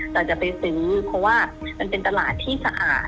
เราจะไปซื้อเพราะว่ามันเป็นตลาดที่สะอาด